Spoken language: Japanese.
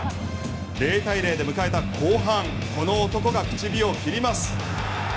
０対０で迎えた後半この男が口火を切ります。